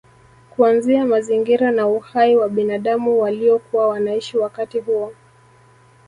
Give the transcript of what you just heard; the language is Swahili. Kuanzia mazingira na uhai wa binadamu waliokuwa wanaishi wakati huo